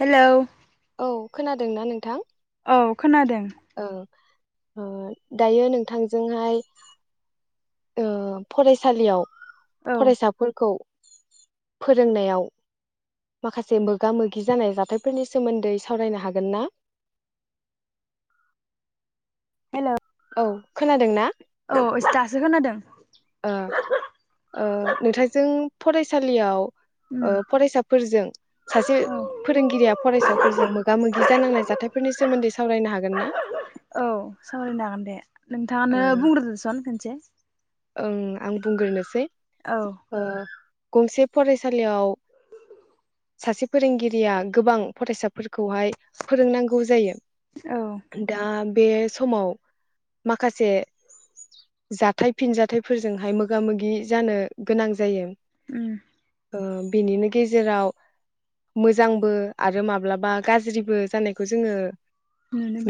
Hello औ खोनादों ना नोंथां? औ खोनादों। ओं ओ दायो नोंथांजोंहाय ओ फरायसालियाव। औ फरायसाफोरखौ फोरोंनायाव माखासे मोगा मोगि जानाय जाथायफोरनि सोमोन्दै सावरायनो हागोन ना हेलौ ओं खोनादों ना? औ दासो खोनादों ओ ओ नोंथांजों फराय सालियाव‌ ओ उम फरायसाफोरजों सासे औ फोरोंगिरिया फरायसाफोरजों मोगा मोगि जानांनाय जाथायफोरनि सोमोन्दै सावरायनो हागोन ना। औ सावरायनो हागोन दे नोंथाङानो ओं बुंग्रोदोसन खोनसे ओं आं बुंग्रोनोसै औ ओ। गंसे फरायसालियाव सासे फोरोंगिरिया गोबां फरायसाफोर खौहाय फोरोंनांगौ जायो औ दा बे समाव, माखासे, जाथाय फिनजाथाइफोरजोंहाय मोगा-मोगि जानो गोनां जायो उम ओ बेनिनो गेजेराव मोजांबो आरो माब्लाबा गाज्रिबो जानायखौ जोङो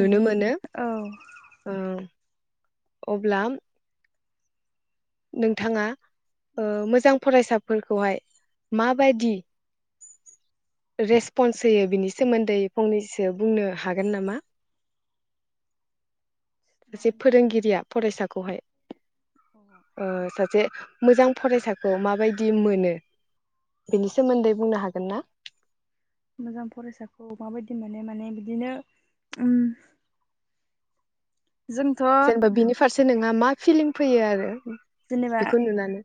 नुनो मोनो औ ओं अब्ला नोंथाङा ओ मोजां फरायसाफोरखौहाय माबायदि रेसपन्स होयो बिनि सोमोन्दै फंनैसो बुंनो हागोन नामा। [inaudible] सासे फोरोंगिरिया फरायसाखौहाय ओ सासे मोजां फरायसाखो माबायदि मोनो बेनि सोमोन्दै बुंनो हागोन ना। मोजां फरायसाखौ माबायदि मोनो माने बिदिनो उम। जोंथ' जेनेबा बिनि फारसे नोंहा मा फिलिं फैयो आरो जेनेबा बेखौ नुनानै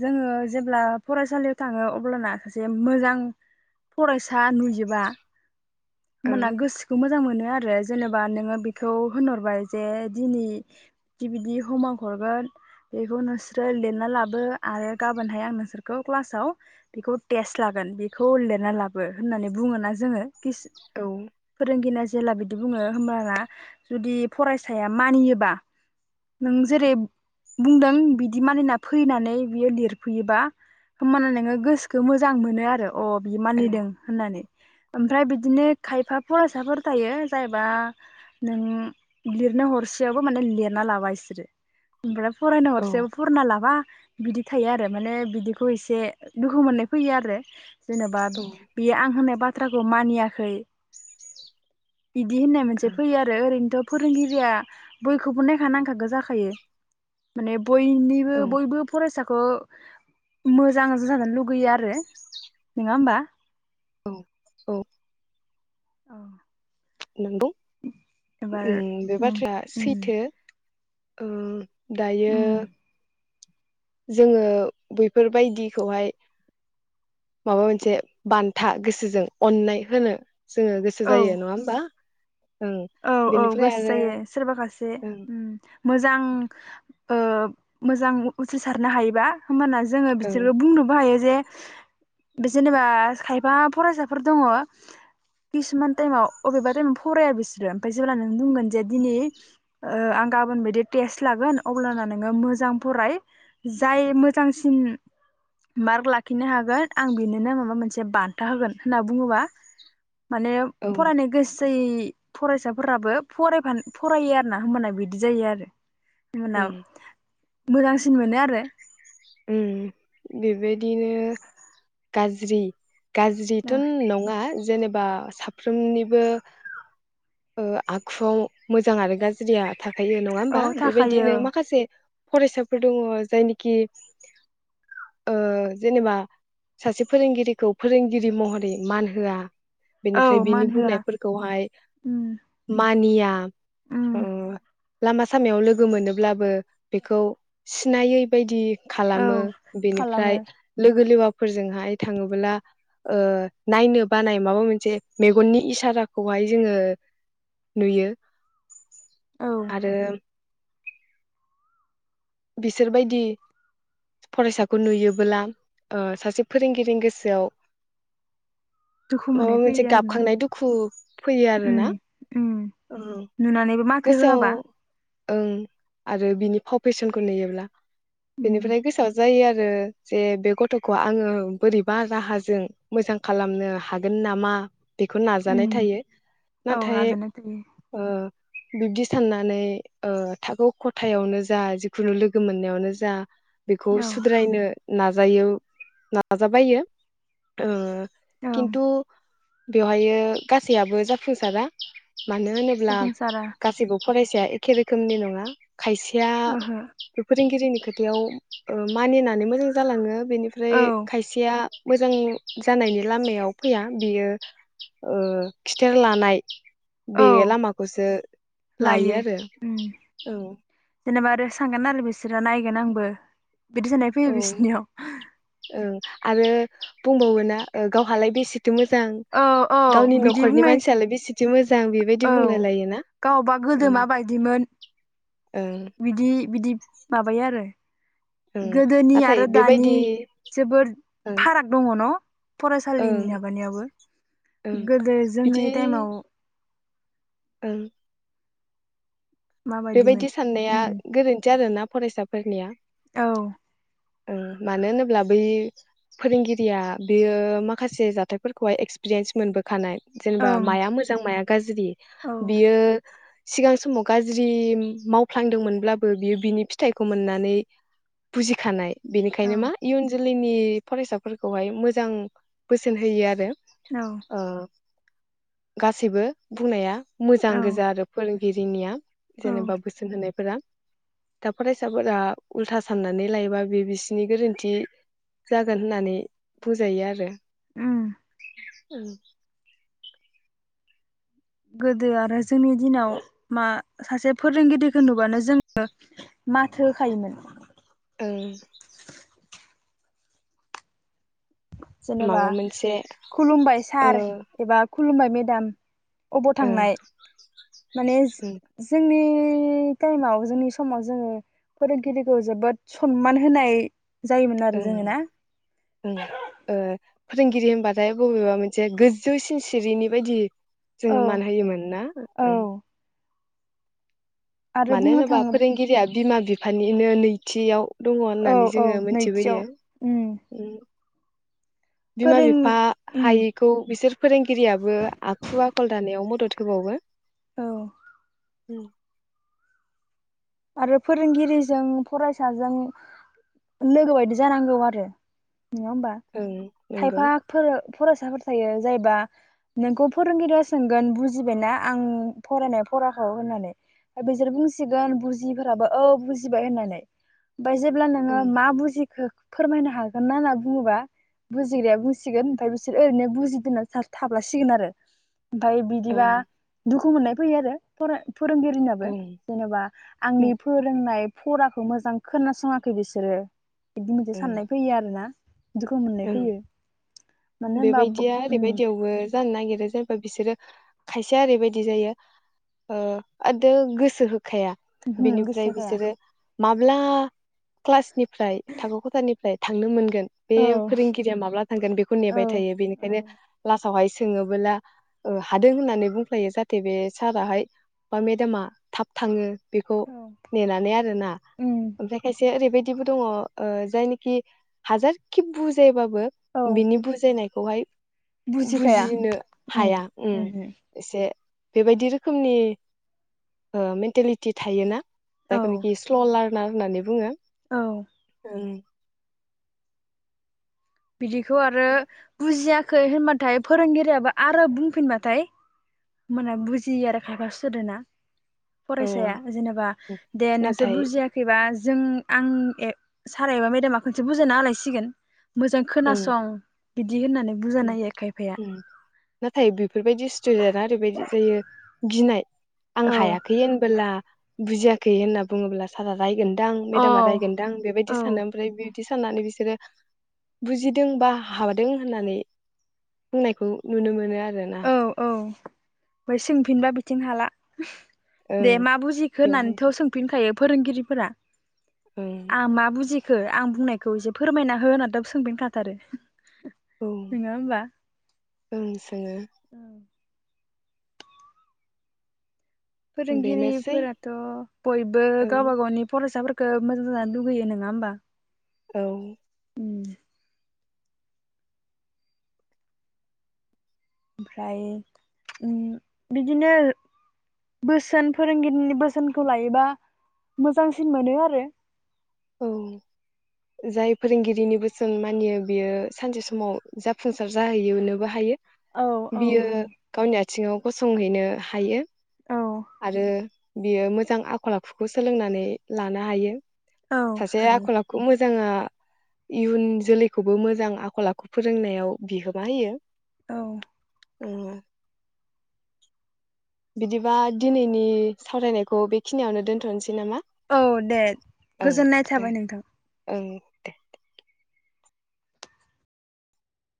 जोङो जेब्ला फरायसालि थाङो अब्लाना सासे मोजां फरायसा नुयोबा। ओ होनबाना गोसोखौ मोजां मोनो। बेनो आरो जेनेबा नोङो बेखौ होनहरबाय जे दिनि बिदि बिदि हमवरक हरगोन बेखौ नोंसोरो लिरना लाबो आरो गाबोनहाय आं नोंसोरखौ क्लासाव बेखौ टेस्ट लागोन बेखौ लिरना लाबो होननानै बुङोना जोङो। औ रोंगिना जेला बिदि बुङो होमबाना जुदि फरायसाया मानियोबा नों जेरै बुंदों बिदि मानिना फैनानै बियो लिरफैयोबा होमबाना नोङो गोसोखो मोजां मोनो आरो अ बियो मा औ मानिदों होननानै ओमफ्राय बिदिनो खायफा फरायसाफोर थायो जायबा नों लिरनो हरसेयावबो माने लिरना लाबाय बिसोरो ओमफ्राय। फरायनो औ हरसे फुरना लाबा बिदि थायो आरो माने बिदिखौ एसे दुखु मोननाय फैयो आरो जेनेबा बेयो आं होननाय बाथ्राखौ मानियाखै बिदि होननाय मोनसे फैयो आरो ओरैनोथ' फोरोंगिरिया बयखौबो नायखानांखागो जाखायो माने बयनिबो औ बयबो फरायसाखौ खौ मोजां जानो लुगैयो आरो नङा होमबा? औ औ। औ नंगौ बे उम बाथ्राया उम सैथो। ओ दायो उम जोङो बैफोरबायदिखौहाय माबा मोनसे बान्था गोसोजों अननाय होनो जोङो गोसो औ जायो नङा होमबा ओं औ औ बेनिफ्राय गोसो आरो जायो सोरबाखासे ओं उम मोजां ओ मोजां उथ्रिसारनो हायोबा होमबाना जोङो ओं बिसोरखो बुंनोबो हायो । जे जेनेबा खायफा फरायसाफोर दङ किसुमान टाइमाव अबेबा टाइमाव फराया बिस ओमफ्राय जेब्ल नों बुंगोन जे दिनै ओ आं गाबोन बायदि टेस्ट लागोन अब्लाना नोङो मोजां फराय जाय मोजांसिन मार्क लाखिनो हागोन आं बिनोनो माबा मोनसे बान्था होगोन होनना बुङोबा। माने औ फरायनो गोसो जायि फरायसाफोराबो फरायफा फरायो आरोना होमबाना बिदि जायो आरो । ओं [unintelligible] मोजांसिन मोनो आरो उम बेबायदिनो गाज्रि गाज्रिथ' नङा जेने बा साफ्रोमनिबो ओ आखुआव मोजां आरो गा गाज्रिया थाखायो नङा होमबा औ थाखायो बेबायदिनो माखासे फरायसाफोर दङ जायनिखि ओ जेनेबा सासे फोरोंगिरिखौ फोरोंगिरि महरै मान होआ। औ बेनिफ्राय बिनि मान होआ बुंनायफोरखौहाय उम मानिया उम ओ लामा सामायाव लोगो मोनोब्लाबो बेखौ सिनायै बायदि। औ खालामो खालामो बेनिफ्राय लोगो लेवा फोरजोंहाय थाङोब्ला नायनो ओ बानायनाय माबा मोनसे मेगननि इसाराखौहाय जोङो नुयो। औ आरो बिसोरबायदि फरायसाखौ नुयोबोला सासे ओ फोरोंगिरिनि गोसोआव दुखु माबा मोननाय मोनसे फैयो आरो ना गाबखांनाय दुखु फैयो आरोना उम उम नुनानैबो माथो गोसोआव होआबा ओं आरो बिनि फाव फेसनखौ नुयोब्ला उम बेनिफ्राय गोसोआव जायो आरो जे बे गथखौ आंङो बोरैबा राहाजों मोजां खालामनो हागोन नामा? बेखौ नाजानाय उम थायो औ नाथाय नाजानाय थायो ओ बिब्दि साननानै ओ थाखो खथायावनो जों जा जिखुनु लोगो मोननायावनो जा बेखौ औ सुद्रायनो नाज नाजायो नाजाबायो ओ औ किन्थु बेवहायो गासैयाबो जाफुंसारा मानो होनोब्ला जाफुंसारा गासैबो फरायसाया एखे रोखोमनि नंङा खायसे या ओहो बे फोरोंगिरिनि खोथायाव मानिनानै मोजां जांलाङो बेनिफ्राय औ खायसेया मोजां जानायनि लामायाव फैया बियो ओ खिथेर लानाय औ बे लामाखौसो लायो आरो औ जेनेबा आरो सानगोन आरो बिसोरो नायगोन आंबो बिदि सान्नाय फैयो औ बिसिनियाव ओं आरो बुंबावोना गावहालाय नो मोजां औ औ गावनि बिदि नख'रनि बुंनाय मानसियालाय बेसे औ गावबा गोदो ओं माबायदिमोन ओं बिदि बिदि माबायो आरो ओं गोदोनि आरो नाथाय दानि बेबायदि जोबोद ओं फाराग दङ न ओं फरायसालिनि माबानायावबो ओं गोदो बिदि जोंनि टाइमाव ओं माबायदिमोन बेबायदि साननाया उम गोरोन्थि आरोना फरायसाफोरनिया औ ओ मानो होनोब्ला बै फोरोंगिरिया बेयो माखासे जाथायफोरखौहाय एक्सपिरियेन्स मोनबोखानाय। जेनेबा ओं माया मोजां माया जुदि औ बियो सिगां समाव गाज जिम मावफ्लांदोंमोनब्लाबो बियो बिनि फिथाइखौ मोननानै बुजिखानाय। औ बेनिखायनो मा इयुन जो [unintelligible] नि फरायसाफोरखौहाय मोजां बोसोन होयो आरो। औ ओ गासैबो बुंनाया मोजां औ गोजा आरो फोरों गिरिनिया औ जेनेबा बोसोन होनायफोरा दा फरायसाफोरा उल्था साननानै लायोबा बे बिसिनि गोरोन्थि जागोन होननानै बुंजायो आरो। उम औ गोदो आरो जोंनि दिनाव मा सासे फोरोंगिरिखो नुबानो जोङो माथो होखायोमोन। ओं जेनेबा माबा मोनसे खुलुमबाय ओ सार एबा खुलुमबाय मेदाम अबाव ओं थांनाय? माने ओं जोंनि नि टाइमाव जोंनि समाव जोङो फोरोंगिरिखौ जोबोद सनमान होनाय जायोमोन आरो जोङो ओं ना। ओं ओ फोरोंगिरि होनबाथाय बबेबा मोनसे गोजौसिन सिरिनि बायदि औ जोङो मान होयोमोन ना औ ओं। आरो मानो बुंनो होनोबा थाङो फोरोंगिरिया बिमा बिफानिनो नैथियाव दङ' औ होननानै औ जोङो नैथियाव मोनथिबोयो। उम बिमा फोरों बिफा उम हायैखौ बिसोर फोरोंगिरियाबो आखु आखल दानायाव म [unintelligible] औ। उम आरो फोरोंगिरिजों फरायसाजों लोगो बायदि जानांगौ आरो। नङा होमबा? ओं नंगौ खायफाफोर फरायसाफोर थायो जायबा नोंखौ फोरोंगिरिया सोंगोन बुजिबायना आं फरायनाय फराखौ होननानै बिसोर बुंसिगोन बुजि जियिफोराबो औ बुजिबाय होननानै। बाय जेब्ला नोङो ओं मा बुजिखो फोरमायनो हागोन ना होनना बुङोबा बुजिग्राया बुंसिगोन ओमफ्राय बिसोर ओरैनो बुजिदोंना सार थाब्लासिगोन आरो। ओमफ्राय बिदिबा ओं दुख दुखु मोननाय फैयो आरो फरा फोरोंगिरिनाबो ओं जेनेबा बेफोर नाय फराखौ मोजां खोनासङाखै बिसोरो। बिदि मोनसे ओं साननाय फैयो आरो ना दुखु मोननाय ओं फैयो मानो होनबा बेबायदिया ओरैबायदियावबो जानो नागिरो जेनबा बिसोरो खायसे ओरैबायदि जायो ओ दो गोसो हो खाया ओहो बिनिफ्राय गोसो जाखाया बिसोरो माब्ला क्लासनि ओमफ्राय थाखो खथानि थांनो मोनगोन औ फोरोंगिरिया माब्ला थांगोन बेखौ औ नेबाय थायो बेनिखायनो औ ला‌। नावहाय सोङोबोला हादों होननानै बुंफ्लायो जाहाथे बे साराहाय बा मेदामा थाब थाङो बेखौ नेनानै आरोना उम ओमफ्राय खायसे ओरैबायदि बिदिबो दङ जाय नेखि हाजारखि बुजि जेबा बो औ बो बिनि बुजायनाय खौहाय बुजिखाया बुजिनो उम हाया ओं उमहो एसे बेबायदि रोखोमनि मेन्टेलिटि थायोना? औ जायफोरनाखि स्ल लार ना होननानै बुङो औ ओम बिदिखौ आरो बुजिया खै होनबाथाय फोरोंगिरियाबो आरो बुंफिनबाथाय मोना बुजियो आरो खायफा सोदोना फरायसाया ओं जेनेबा औ दे नोंसोर नाथाय बुजियाखैबा जों आं सारा एबा मेदामा खनसे बुजोनना आलायसिगोन मोजां ओं खोनासं । नाथाय बेफोरबायदि स्टुदेन्टआ ओरैबायदि। जायो गिनाय। आं औ हायाखै होनबोला बुजियाखै होनना बुङोब्ला सारा रायगोन। दां अ मेडामा रायगोनदां बेबायदि औ सानो ओमफ्राय बे बिदि साननानै बिसोरो बुजिदों बा हादों होननानै। बुंनायखौ नुनो मोनो आरो। औ औ। ओमफाय सोंफिनबा बिथिं हाला। दे ओं मा बुजिखो बेवहाय होननानैथ' सोंफिनखायो फोरोंगिरिफोरा ओं आ मा बुजि खो आं बुंनायखौ इसे फोरमायना हो होनना दाबो सोंफिनखाथारो। औ नङा होमबा ओं सोङो। औ। बेनोसै फोरोंगिरिफोराथ' बयबो ओं गावबा गावनि फरायसाफोर खो मोजां जाजानो लुगैयो नङा होमबा? औ। उम ओमफ्राय ओम बिदिनो बोसोन फोरोंगिरिनि बोसोनखौ लायोबा मोजांसिन मोनो आरो। औ जाय फोरोंगिरिनि बोसोन मानियो बियो सानसे समाव जाफुंसार जाहैयोनोबो हायो। औ औ बियो हायो गावनि आ। थिङाव गसं हैनो हायो। औ आरो बियो मोजां आखल आखुखौ सोलोंनानै लानो हायो। औ सासे हायो आखल आखु मो जोङो इयुन जोलैखौबो मोजां आखल आखु फोरोंनायाव बिहोमा होयो। औ। उम बिदिबा दिनैनि सावरायनायखौ बेखिनियावनो दोनथ'नोसै। नामा औ दे ओं गोजोननाय दे थाबाय नोंथां। ओं दे